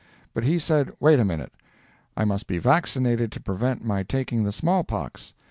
But he said, wait a minute—I must be vaccinated to prevent my taking the small pox.